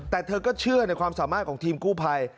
แต่เธอก็เชื่อในความสามารถของทีมกู้ภัย